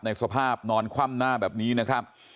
สภาพนอนคว่ำหน้าแบบนี้นะครับ